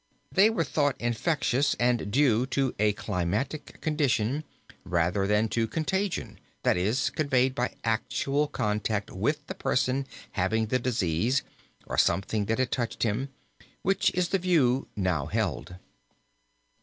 They were thought infectious and due to a climatic condition rather than to contagion, that is conveyed by actual contact with the person having the disease or something that had touched him, which is the view now held.